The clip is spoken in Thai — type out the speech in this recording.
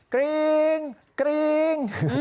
กรี๊ง